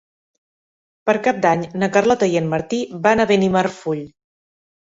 Per Cap d'Any na Carlota i en Martí van a Benimarfull.